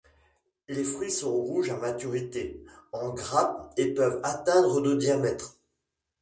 Les fruits sont rouges à maturité, en grappe et peuvent atteindre de diamètre.